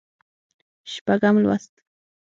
شپږم لوست